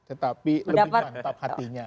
tetapi lebih kuat hatinya